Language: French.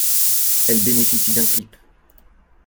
Elle bénéficie d'un clip.